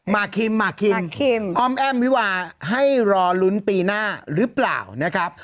คิมมาคิมอ้อมแอ้มวิวาให้รอลุ้นปีหน้าหรือเปล่านะครับ